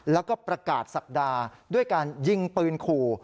แล้วก็ประกาศสัปดาห์ด้วยการยิงปืนขู่